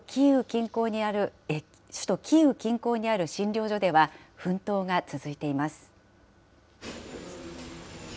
首都キーウ近郊にある診療所では、奮闘が続いています。